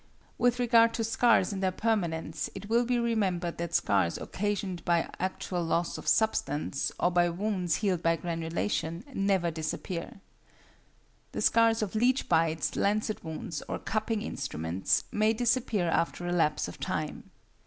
With regard to scars and their permanence, it will be remembered that scars occasioned by actual loss of substance, or by wounds healed by granulation, never disappear. The scars of leech bites, lancet wounds, or cupping instruments, may disappear after a lapse of time.